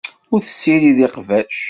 Ur tessirid iqbac.